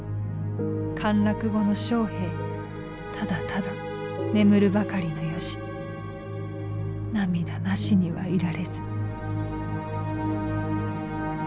陥落後の将兵ただただ眠るばかりの由涙なしにはいられず」。